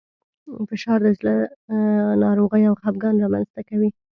فشار د زړه ناروغۍ او خپګان رامنځ ته کوي.